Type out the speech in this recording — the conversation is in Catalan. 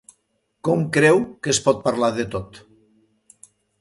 Com creu que es pot parlar de tot?